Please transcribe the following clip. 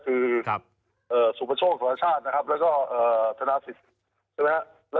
คือครับเอ่อสุประโชคสวรรคชาตินะครับแล้วก็เอ่อธนาสิทธิ์